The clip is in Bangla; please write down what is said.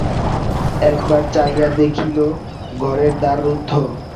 একবার চাহিয়া দেখিল, ঘরের দ্বার রুদ্ধ।